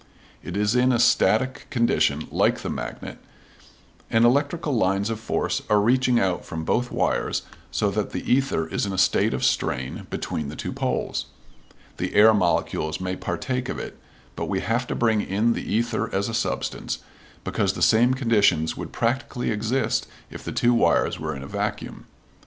It is in a static condition, like the magnet, and electrical lines of force are reaching out from both wires so that the ether is in a state of strain between the two poles. The air molecules may partake of it, but we have to bring in the ether as a substance, because the same conditions would practically exist if the two wires were in a vacuum.